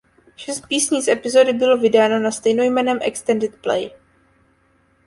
Šest písní z epizody bylo vydáno na stejnojmenném extended play.